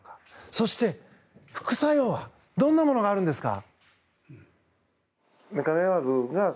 そして、副作用はどんなものがあるんですか。